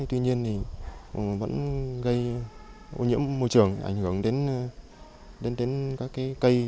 tuy nhiên vẫn gây ô nhiễm môi trường ảnh hưởng đến các cây